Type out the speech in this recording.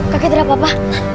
kakak tidak apa apa